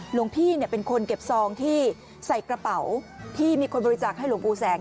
หลวงพี่เป็นคนเก็บซองที่ใส่กระเป๋าที่มีคนบริจาคให้หลวงปู่แสง